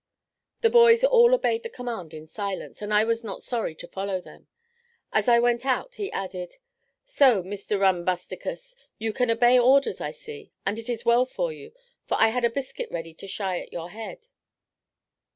The boys all obeyed the command in silence, and I was not sorry to follow them. As I went out he added, "So, Mr Rumbusticus, you can obey orders, I see, and it is well for you; for I had a biscuit ready to shy at your head."